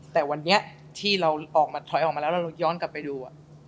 แตกวันนี้ที่เราถอยออกมาแล้วและย้อนกลับไปดู